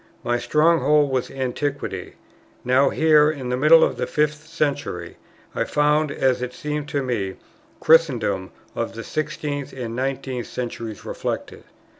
My stronghold was Antiquity; now here, in the middle of the fifth century, I found, as it seemed to me, Christendom of the sixteenth and the nineteenth centuries reflected.